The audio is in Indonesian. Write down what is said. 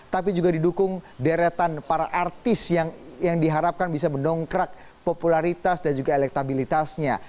hukum deretan para artis yang diharapkan bisa menongkrak popularitas dan juga elektabilitasnya